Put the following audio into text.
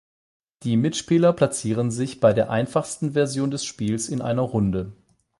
Die Mitspieler platzieren sich bei der einfachsten Version des Spiels in einer Runde.